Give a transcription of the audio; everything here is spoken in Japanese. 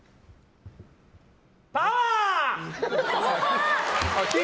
パワー！